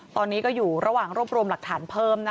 ตอนนี้ก็อยู่ระหว่างรวบรวมหลักฐานเพิ่ม